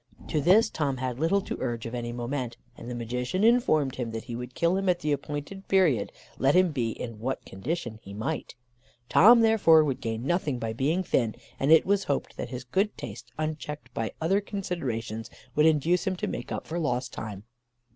To this, Tom had little to urge of any moment, and the magician informed him that he would kill him at the appointed period, let him be in what condition he might. Tom, therefore, would gain nothing by being thin, and it was hoped that his good taste, unchecked by other considerations, would induce him to make up for lost time.